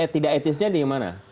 tidak etisnya dimana